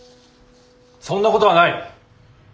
そんなことはない！